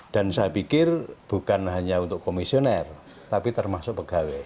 dan saya pikir bukan hanya untuk komisioner tapi termasuk pegawai